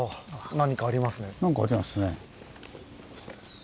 何かありますね。